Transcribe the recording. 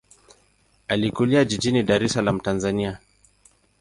Alikulia jijini Dar es Salaam, Tanzania.